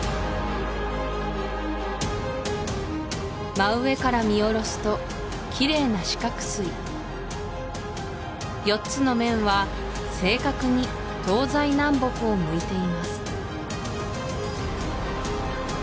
真上から見下ろすとキレイな四角すい４つの面は正確に東西南北を向いています